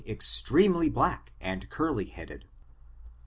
197 extremely black and curly headed.